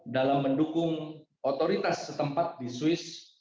dalam mendukung otoritas setempat di swiss